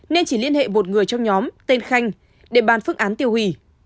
nên chỉ liên hệ một người trong nhóm tên khanh để bàn phương án tiêu hủy